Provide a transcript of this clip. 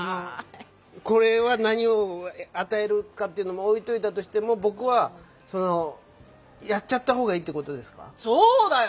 これは何を与えるかっていうのを置いといたとしても僕はそのやっちゃったほうがいいってことですか？